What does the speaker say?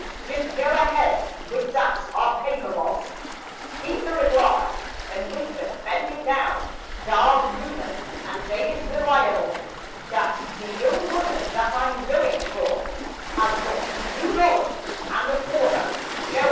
"Jis' go ahead wid dat 'ar paper, Boss," Peter replied; then whispered, bending down: "Dar's rumers—and dey is reliable— Dat de young woman dat I'm goin' fur Has got two dollars and a quarter—shoa.